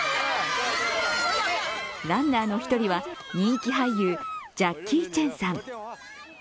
ランナーの１人は人気俳優、ジャッキー・チェンさん。